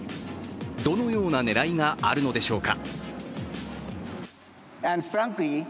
どのような狙いがあるのでしょうか。